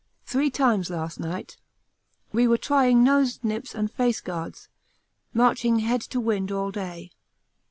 three times last night. We were trying nose nips and face guards, marching head to wind all day.